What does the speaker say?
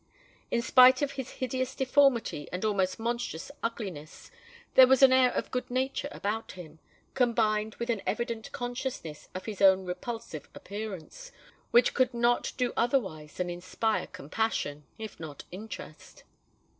In spite of his hideous deformity and almost monstrous ugliness, there was an air of good nature about him, combined with an evident consciousness of his own repulsive appearance, which could not do otherwise than inspire compassion—if not interest.